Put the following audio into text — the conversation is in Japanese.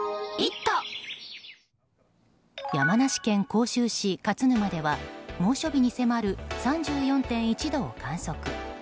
山梨県甲州市勝沼では猛暑日に迫る３４．１度を観測。